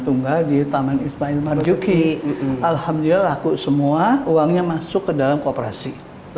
tunggal di taman ismail marzuki alhamdulillah laku semua uangnya masuk ke dalam kooperasi